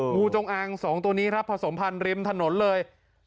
งูจงอาง๒ตัวนี้ครับผสมพันธ์ริมถนนเลย